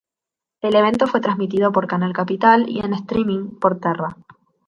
El evento fue transmitido por Canal Capital y en streaming por Terra.